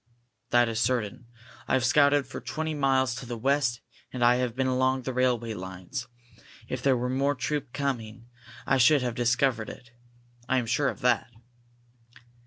"That is certain. I have scouted for twenty miles to the west and I have been along the railway lines. If there were more troops coming, I should have discovered it. I am sure of that."